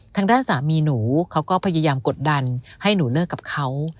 ทางด้านสามีหนูเขาก็พยายามกดดันให้หนูเลิกกับเขา